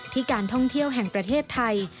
การท่องเที่ยวแห่งประเทศไทย